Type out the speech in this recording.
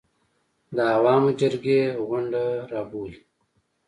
د عوامو جرګې غونډه راوبولي.